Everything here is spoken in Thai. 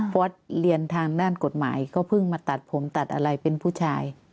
ฟอสเรียนทางด้านกฎหมายก็เพิ่งมาตัดผมตัดอะไรเป็นผู้ชาย